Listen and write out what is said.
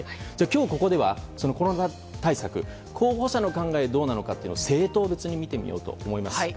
今日、ここではコロナ対策候補者の考えはどうなのかを政党別に見てみようと思います。